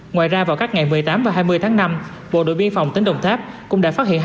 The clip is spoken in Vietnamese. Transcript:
ngoài ra vào các ngày một mươi tám và hai mươi tháng năm bộ đội biên phòng tỉnh đồng tháp cũng đã phát hiện